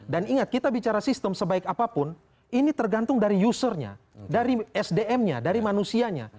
dan ingat kita bicara sistem sebaik apapun ini tergantung dari usernya dari sdm nya dari manusianya